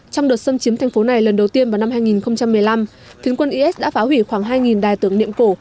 trong đợt xâm chiếm thành phố này lần đầu tiên vào năm hai nghìn một mươi năm phiến quân is đã phá hủy khoảng hai đài tưởng niệm cổ